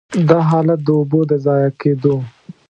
دا حالت د اوبو د ضایع کېدو.